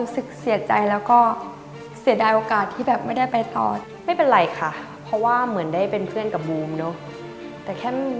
ที่จะเข้าไปเป็น๑๒คนสุดท้าย